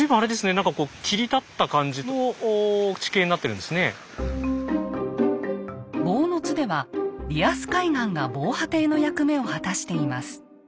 何かこう坊津ではリアス海岸が防波堤の役目を果たしています。